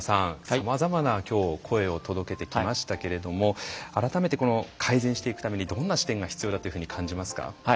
さまざまな今日声を届けてきましたけれども改めて改善していくためにどんな視点が必要だというふうに感じますか？